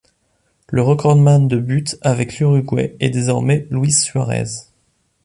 Le recordman de buts avec l'Uruguay est désormais Luis Suárez.